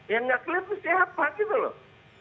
yang nggak clear itu siapa gitu loh